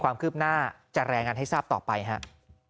ความคืบหน้าจะรายงานให้ทราบต่อไปครับ